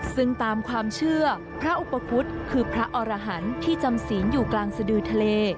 ซึ่งตามความเชื่อพระอุปคุฎคือพระอรหันต์ที่จำศีลอยู่กลางสดือทะเล